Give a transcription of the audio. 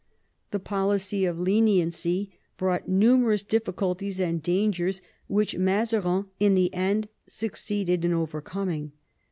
The policy of leniency brought numerous difficulties and dangers which Mazarin in the end succeeded in overcoming.